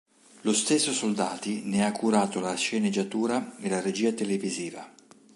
Lo stesso Soldati ne ha curato la sceneggiatura e la regia televisiva.